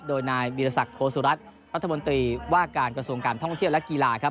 โดยนายวิทยาศักดิ์โศรัสตร์รัฐมนตรีว่าการกระทงเที่ยมและกีฬา